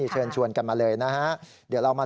เชิญชวนกันมาเลยนะค่ะ